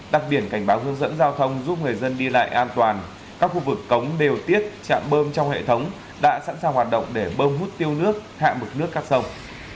đặc biệt cảnh báo hướng dẫn giao thông giúp người dân đi lại an toàn các khu vực cống đều tiết chạm bơm trong hệ thống đã sẵn sàng hoạt động để bơm hút tiêu nước hạ mực nước các sông